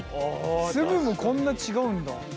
粒もこんな違うんだ！